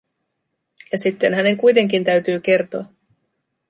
Ja sitten hänen kuitenkin täytyi kertoa.